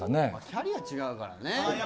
キャリア違うからね。